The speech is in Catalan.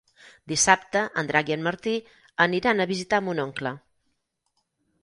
Dissabte en Drac i en Martí aniran a visitar mon oncle.